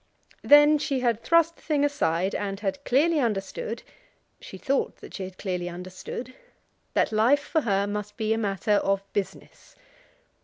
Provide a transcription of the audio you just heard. Then she had thrust the thing aside, and had clearly understood, she thought that she had clearly understood, that life for her must be a matter of business.